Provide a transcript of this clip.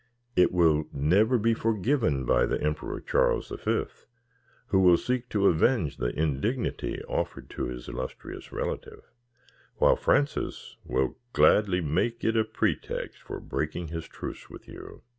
It will never be forgiven by the Emperor Charles the Fifth, who will seek to avenge the indignity offered to his illustrious relative; while Francis will gladly make it a pretext for breaking his truce with you.